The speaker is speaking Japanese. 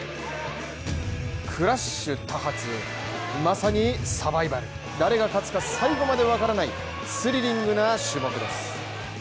クラッシュ多発まさにサバイバル誰が勝つか最後までわからないスリリングな種目です。